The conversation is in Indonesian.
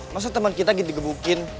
masa temen kita gitu digebukin